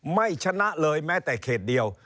ไม่ชนะเลยแม้แต่เขตเดียว